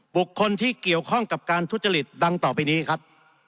บุคคลที่เกี่ยวข้องกับการทุจริตดังต่อไปนี้ครับ